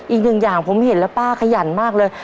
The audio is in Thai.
อีกหนึ่งอย่างผมเห็นแล้วป้าขยันมากเลย